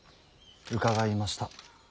伺いました。